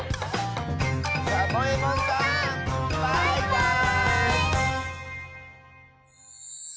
サボえもんさんバイバーイ！